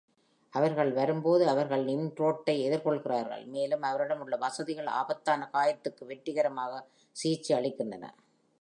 அவர்கள் வரும்போது, அவர்கள் நிம்ரோட்டை எதிர்கொள்கிறார்கள், மேலும் அவரிடம் உள்ள வசதிகள் ஆபத்தான காயத்திற்கு வெற்றிகரமாக சிகிச்சையளிக்கின்றன.